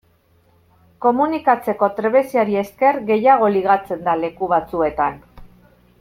Komunikatzeko trebeziari esker gehiago ligatzen da leku batzuetan.